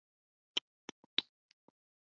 没有完全发酵的新酒被称为发酵果酒。